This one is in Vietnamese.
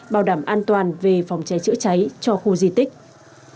bảo đảm an toàn về phòng cháy chữa cháy cho khu di tích